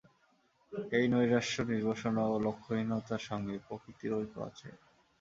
এই নৈরাশ্য, নির্বাসনা ও লক্ষ্যহীনতার সঙ্গে প্রকৃতির ঐক্য আছে।